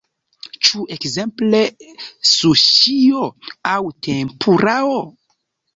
Ĉu ekzemple suŝio aŭ tempurao?